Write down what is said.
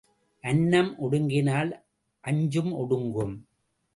அன்னம் ஒடுங்கினால் அஞ்சும் ஒடுங்கும்.